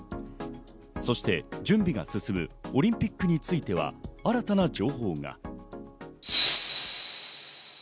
そして準備が進むオリンピックについては新たな情報が。